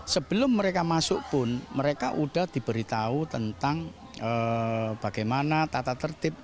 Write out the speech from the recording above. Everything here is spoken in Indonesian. sebelum mereka masuk pun mereka sudah diberitahu tentang bagaimana tata tertib